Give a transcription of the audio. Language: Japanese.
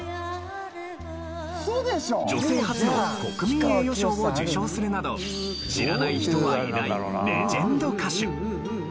女性初の国民栄誉賞を受賞するなど知らない人はいないレジェンド歌手。